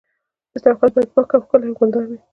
دسترخوان باید پاک او ښکلی او ګلدار وي.